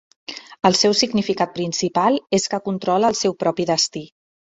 El seu significat principal és que controla el seu propi destí.